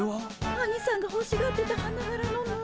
アニさんがほしがってた花柄の布。